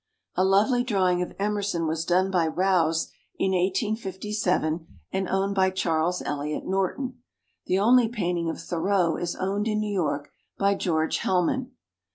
A lovely drawing of Emerson was done by Rowse in 1857 and owned by Charles Eliot Norton. The only paint ing of Thoreau is owned in New York by George Hellman.